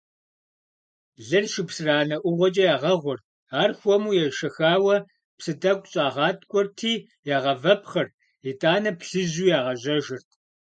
Лыр шыпсыранэ ӏугъуэкӏэ ягъэгъурт, ар хуэму ешэхауэ псы тӏэкӏу щӏагъаткӏуэрти ягъэвэпхъырт, итӏанэ плъыжьу ягъэжьэжырт.